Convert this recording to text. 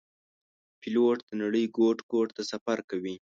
پیلوټ د نړۍ ګوټ ګوټ ته سفر کوي.